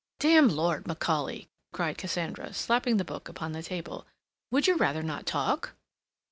"Damn Lord Macaulay!" cried Cassandra, slapping the book upon the table. "Would you rather not talk?"